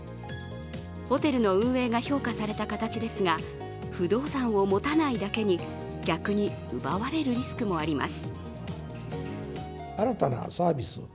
ホテルの運営が評価された形ですが不動産を持たないだけに、逆に奪われるリスクもあります。